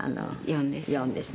４です。